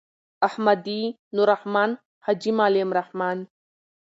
احمدی.نوالرحمن.حاجی معلم الرحمن